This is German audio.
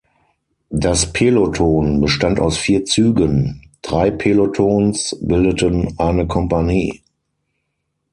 Das Peloton bestand aus vier Zügen, drei Pelotons bildeten eine Kompanie.